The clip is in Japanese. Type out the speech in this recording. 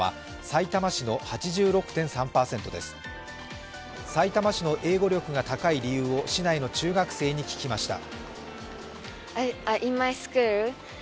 さいたま市の英語力が高い理由を市内の中学生に聞きました。